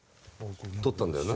取ったんだよな。